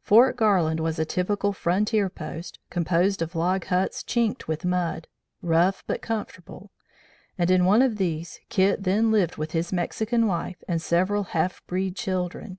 Fort Garland was a typical frontier post, composed of log huts chinked with mud, rough but comfortable, and in one of these Kit then lived with his Mexican wife and several half breed children.